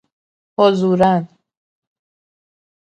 حضوراً